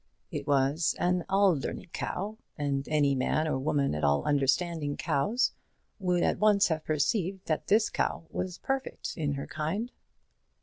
It was an Alderney cow, and any man or woman at all understanding cows, would at once have perceived that this cow was perfect in her kind.